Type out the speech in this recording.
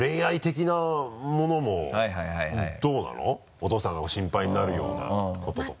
お父さんが心配になるようなこととか。